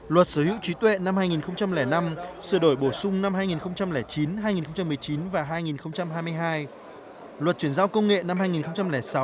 luật sở hữu trí tuệ năm hai nghìn năm sửa đổi bổ sung năm hai nghìn chín hai nghìn một mươi chín và hai nghìn hai mươi hai luật chuyển giao công nghệ năm hai nghìn sáu